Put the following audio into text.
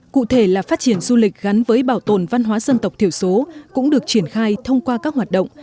cụ thể là phát triển du lịch gắn với bảo tồn văn hóa dân tộc thiểu số cũng được triển khai thông qua các hoạt động